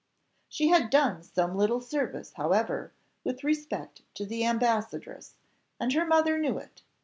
She had done some little service, however, with respect to the ambassadress, and her mother knew it.